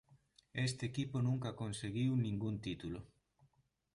Este equipo nunca conseguiu ningún título.